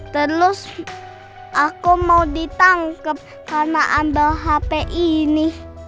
terus aku mau ditangkap karena ambil hp ini